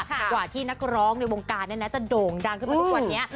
กว่าที่นักร้องในวงการจะโด่งดังขึ้นมาทุกวันนี้